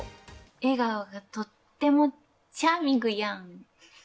笑顔がとってもチャーミングヤーン。